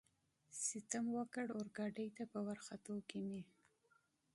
ستم وکړ، اورګاډي ته په ورختو کې مې.